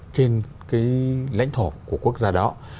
trên lãnh thổ của quốc gia đó